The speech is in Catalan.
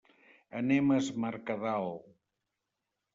Anem a es Mercadal.